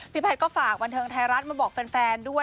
แพทย์ก็ฝากบันเทิงไทยรัฐมาบอกแฟนด้วย